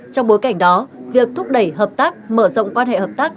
trong bối cảnh đó việc thúc đẩy hợp tác mở rộng quan hệ hợp tác